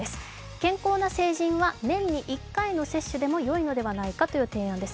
健康な成人は年に１回の接種でもいいのではないかということです。